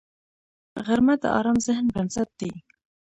غرمه د ارام ذهن بنسټ دی